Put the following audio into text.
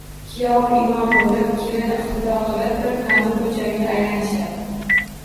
Kuyov imom bo‘lib, kelin iqtido qilib, bir tan-bir jonga aylanishadi.